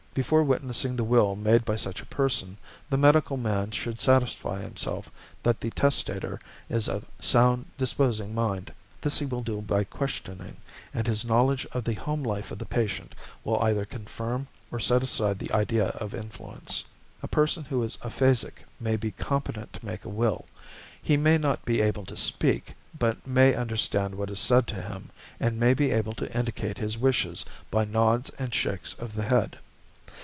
Before witnessing the will made by such a person, the medical man should satisfy himself that the testator is of a 'sound disposing mind.' This he will do by questioning, and his knowledge of the home life of the patient will either confirm or set aside the idea of influence. A person who is aphasic may be competent to make a will. He may not be able to speak, but may understand what is said to him, and may be able to indicate his wishes by nods and shakes of the head.